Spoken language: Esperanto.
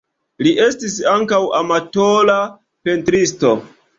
Li estis ankaŭ amatora pentristo.